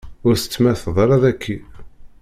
Ur tettemmateḍ ara daki.